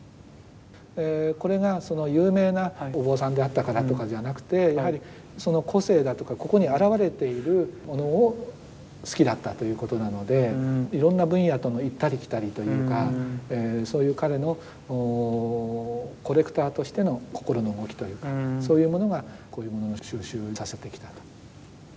これが有名なお坊さんであったからとかじゃなくてやはりその個性だとかここに現れているものを好きだったということなのでいろんな分野との行ったり来たりというかそういう彼のコレクターとしての心の動きというかそういうものがこういうものの蒐集をさせてきたと。